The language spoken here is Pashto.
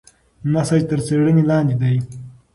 نسج تر څېړنې لاندې دی.